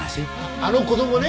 あの子供ね